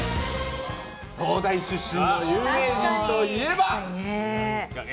東大出身の有名人といえば？